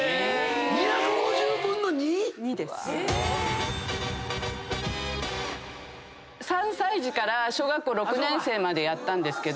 ２５０分の２⁉３歳児から小学校６年生までやったんですけど。